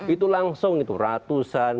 itu langsung ratusan